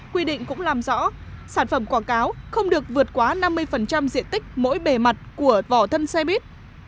quy định cũng làm rõ sản phẩm quảng cáo không được vượt quá năm mươi diện tích mỗi bề mặt của vỏ thân xe buýt